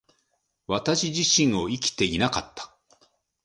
私は私自身を生きていなかった。